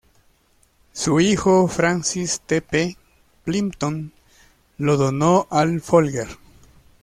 Su hijo, Francis T. P. Plimpton, lo donó al Folger.